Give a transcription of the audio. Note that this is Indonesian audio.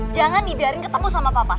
jangan dibiarin ketemu sama papa